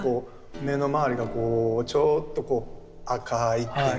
目の周りがこうちょっとこう赤いっていうかね。